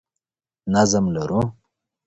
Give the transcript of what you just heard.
نظم لرو.